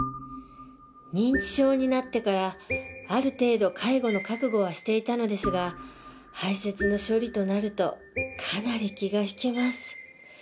認知症になってからある程度介護の覚悟はしていたのですが排泄の処理となるとかなり気が引けます。